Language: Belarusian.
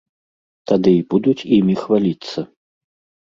Тады і будуць імі хваліцца.